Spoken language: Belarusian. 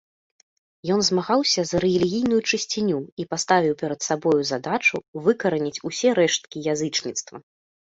Ён змагаўся за рэлігійную чысціню і паставіў перад сабой задачу выкараніць усе рэшткі язычніцтва.